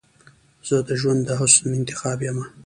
زه دژوند د حسن انتخاب یمه